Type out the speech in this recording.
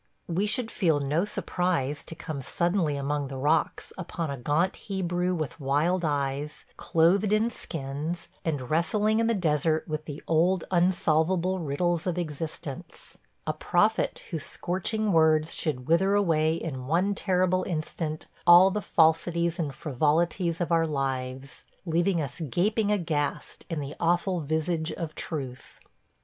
We should feel no surprise to come suddenly among the rocks upon a gaunt Hebrew with wild eyes, clothed in skins, and wrestling in the desert with the old unsolvable riddles of existence – a prophet whose scorching words should wither away in one terrible instant all the falsities and frivolities of our lives, leaving us gaping aghast in the awful visage of Truth.